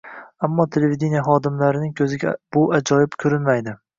Ammo televideniye xodimlarining ko‘ziga bu ajoyibot ko‘rinmaydi.